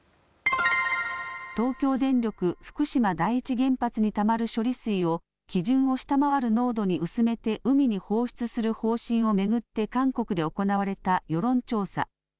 東京電力福島第一原発にたまる処理水を基準を下回る濃度に薄めて海に放出する方針を巡って韓国で行われた世論調査。